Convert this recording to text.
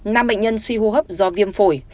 nam bệnh nhân suy hô hấp do viêm phổi